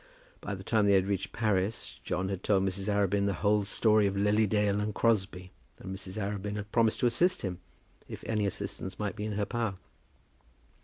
By the time that they had reached Paris John had told Mrs. Arabin the whole story of Lily Dale and Crosbie, and Mrs. Arabin had promised to assist him, if any assistance might be in her power.